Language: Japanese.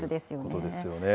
本当ですよね。